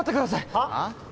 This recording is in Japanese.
はあ？